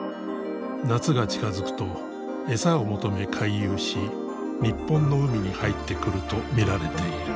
夏が近づくと餌を求め回遊し日本の海に入ってくると見られている。